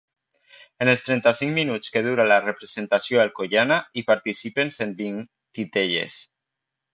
En els trenta-cinc minuts que dura la representació alcoiana, hi participen cent vint titelles.